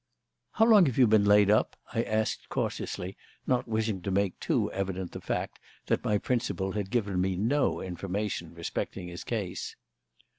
"How long have you been laid up?" I asked cautiously, not wishing to make too evident the fact that my principal had given me no information respecting his case.